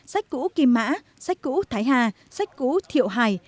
sách cũ kim mã sách cũ thái hà sách cũ thiệu